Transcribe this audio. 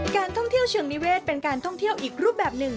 การท่องเที่ยวเชิงนิเวศเป็นการท่องเที่ยวอีกรูปแบบหนึ่ง